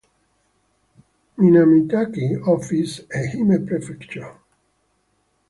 Minamimatchi office, Ehime Prefecture.